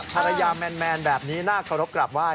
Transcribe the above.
ภรรยาแมนแบบนี้หน้ากระลบกลับไหว้